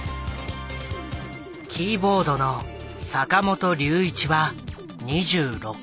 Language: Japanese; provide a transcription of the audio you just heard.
キーボードの坂本龍一は２６歳。